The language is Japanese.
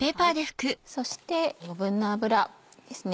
そして余分な脂ですね